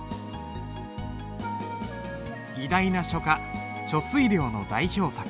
偉大な書家遂良の代表作。